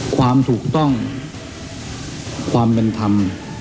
ความถูกต้องความเป็นธรรม